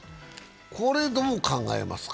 これどう考えますか？